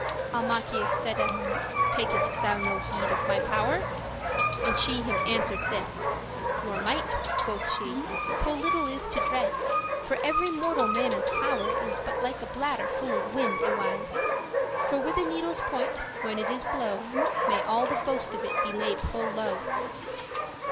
Almachius saide; "Takest thou no heed Of my power?" and she him answer'd this; "Your might," quoth she, "full little is to dread; For every mortal manne's power is But like a bladder full of wind, y wis;* *certainly For with a needle's point, when it is blow', May all the boast of it be laid full low."